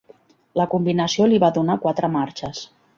La combinació li va donar quatre marxes.